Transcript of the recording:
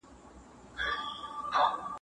په تور یې د پردۍ میني نیولی جهاني یم